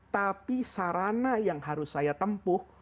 tapi sarana yang harus saya tempuh